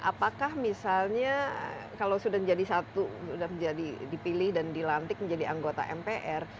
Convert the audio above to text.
apakah misalnya kalau sudah jadi satu sudah menjadi dipilih dan dilantik menjadi anggota mpr